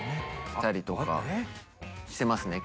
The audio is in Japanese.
着たりとかしてますね。